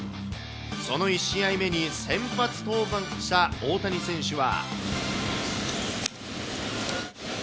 その１試合目に先発登板した大谷選手は。